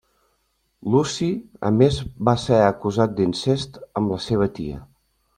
Luci a més va ser acusat d'incest amb la seva tia.